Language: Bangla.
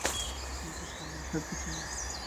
তুমি কি ওসমান গনি সাহেবকে চেন?